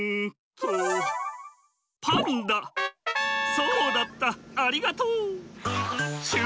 そうだったありがとう！シュ！